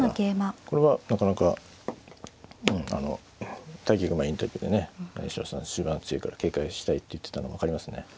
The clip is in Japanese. これはなかなかうんあの対局前インタビューでね八代さん終盤が強いから警戒したいって言ってたのが分かりますね。